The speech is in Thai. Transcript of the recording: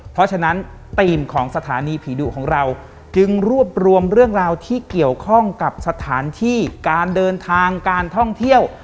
เพราะฉะนั้นธีมของสถานีผีดุของเราจึงรวบรวมเรื่องราวที่เกี่ยวข้องกับสถานที่การเดินทางการท่องเที่ยว